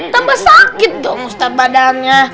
tambah sakit dong mustab badannya